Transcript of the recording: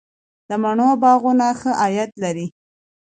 د مڼو باغونه ښه عاید لري؟